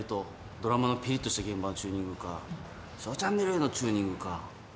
ドラマのピリっとした現場のチューニングか『ＳＨＯＷチャンネル』のチューニングか。